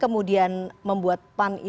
kemudian membuat pan